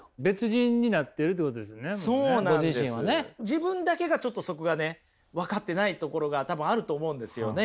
自分だけがちょっとそこがね分かってないところが多分あると思うんですよね。